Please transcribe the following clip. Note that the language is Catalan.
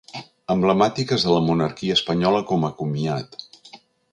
Emblemàtiques de la monarquia espanyola com a comiat.